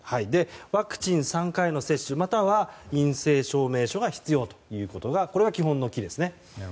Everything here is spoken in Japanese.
ワクチン３回の接種または陰性証明書が必要というこれが基本の基ですね。